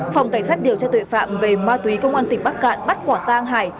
phòng cảnh sát điều tra tuệ phạm về ma túy công an tỉnh bắc cạn bắt quả tang hải